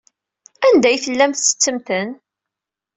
Anda ay tellam tettettem-ten?